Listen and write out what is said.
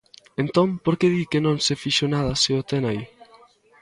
Entón, ¿por que di que non se fixo nada se o ten aí?